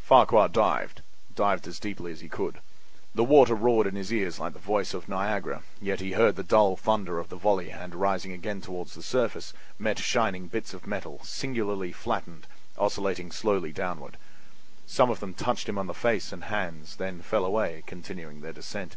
Farquhar dived—dived as deeply as he could. The water roared in his ears like the voice of Niagara, yet he heard the dull thunder of the volley and, rising again toward the surface, met shining bits of metal, singularly flattened, oscillating slowly downward. Some of them touched him on the face and hands, then fell away, continuing their descent.